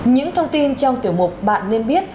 những thông tin trong tiểu một bạn nên biết